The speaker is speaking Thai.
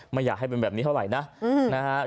ไม่อยากให้เป็นแบบนี้เท่าไหร่นะนะฮะ